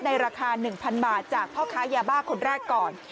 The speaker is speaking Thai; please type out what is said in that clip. ราคา๑๐๐บาทจากพ่อค้ายาบ้าคนแรกก่อน